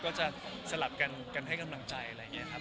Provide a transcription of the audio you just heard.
ก็จะสลับกันให้กำลังใจอะไรอย่างนี้ครับ